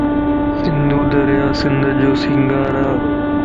سنڌو دريا سنڌ جو سينگار ا